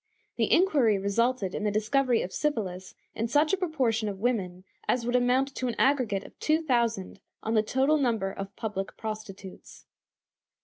The inquiry resulted in the discovery of syphilis in such a proportion of women as would amount to an aggregate of two thousand on the total number of public prostitutes.